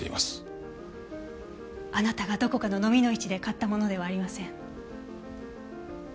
あなたがどこかののみの市で買ったものではありません。